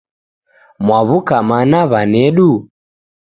Mwaw'uka mana wanedu?